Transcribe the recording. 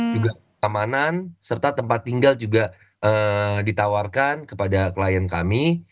juga amanan serta tempat tinggal juga ditawarkan kepada klien kami